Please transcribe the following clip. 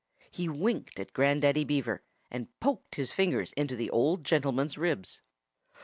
He winked at Grandaddy Beaver, and poked his fingers into the old gentleman's ribs.